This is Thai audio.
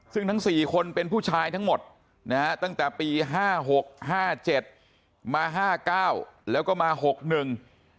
ซึ่งทั้งสี่คนเป็นผู้ชายทั้งหมดนะฮะตั้งแต่ปีห้าหกห้าเจ็ดมาห้าเก้าแล้วก็มาหกหนึ่ง